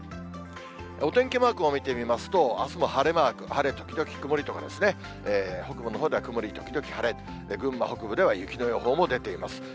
お天気マークを見てみますと、あすも晴れマーク、晴れ時々曇りとかですね、北部のほうでは曇り時々晴れ、群馬北部では雪の予報も出ています。